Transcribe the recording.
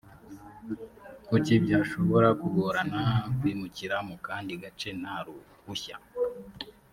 kuki byashobora kugorana kwimukira mu kandi gace nta ruhushya